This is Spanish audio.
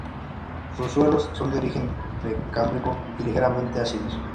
Sus suelos son de origen precámbrico y ligeramente ácidos.